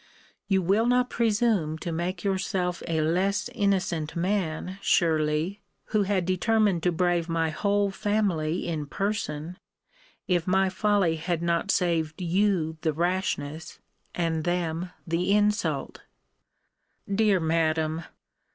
You will not presume to make yourself a less innocent man, surely, who had determined to brave my whole family in person, if my folly had not saved you the rashness, and them the insult Dear Madam!